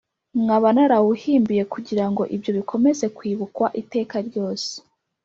Nkaba narawuhimbiye kugirango ibyo bikomeze kwibukwa iteka ryose